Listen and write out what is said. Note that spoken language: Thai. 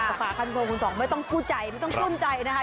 กากฝาคันส่วนคุณสองไม่ต้องกู้ใจไม่ต้องคุ้นใจนะคะ